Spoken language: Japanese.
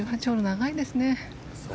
長いですよね